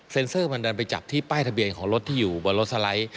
เซอร์มันดันไปจับที่ป้ายทะเบียนของรถที่อยู่บนรถสไลด์